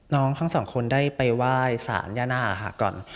น้องทั้งสองคนได้ไปไหว้สานแย่หน้าค่ะ